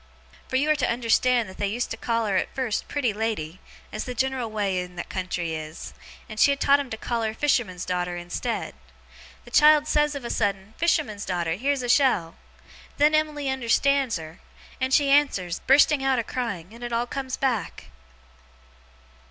for you are to unnerstand that they used at first to call her "Pretty lady", as the general way in that country is, and that she had taught 'em to call her "Fisherman's daughter" instead. The child says of a sudden, "Fisherman's daughter, here's a shell!" Then Em'ly unnerstands her; and she answers, bursting out a crying; and it all comes back!